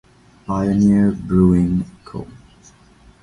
Pioneer Brewing Co.